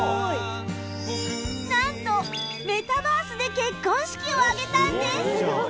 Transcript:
なんとメタバースで結婚式を挙げたんです